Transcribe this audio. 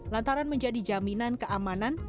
lantaran menjadi jaminan keamanan